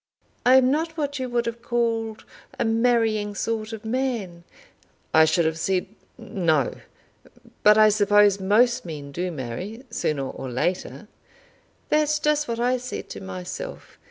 "I am not what you would have called a marrying sort of man." "I should have said, no. But I suppose most men do marry sooner or later." "That's just what I said to myself.